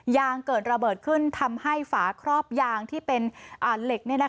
ยางเกิดระเบิดขึ้นทำให้ฝาครอบยางที่เป็นเหล็ก